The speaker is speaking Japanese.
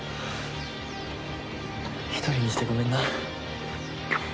一人にしてごめんな。